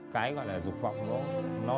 cái gọi là dục vọng nó